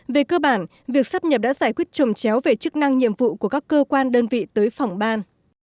về cơ bản việc sắp nhập đã giải quyết trồng chéo về chức năng nhiệm vụ của các cơ quan đơn vị tới phòng ban